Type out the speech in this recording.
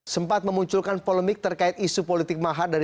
sempat memunculkan polemik terkait isu politik mahar